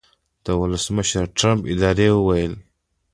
د ولسمشرټرمپ ادارې وویل